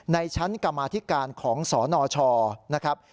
ในชั้นกรรมาธิการของสนชนะครับ